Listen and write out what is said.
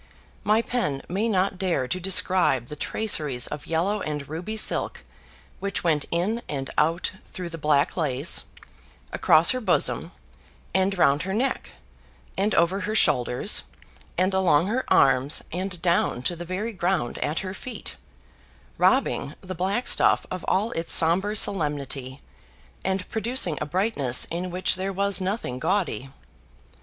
My pen may not dare to describe the traceries of yellow and ruby silk which went in and out through the black lace, across her bosom, and round her neck, and over her shoulders, and along her arms, and down to the very ground at her feet, robbing the black stuff of all its sombre solemnity, and producing a brightness in which there was nothing gaudy.